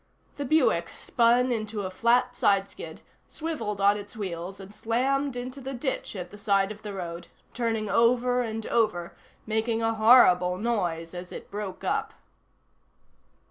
The Buick spun into a flat sideskid, swiveled on its wheels and slammed into the ditch at the side of the road, turning over and over, making a horrible noise, as it broke up.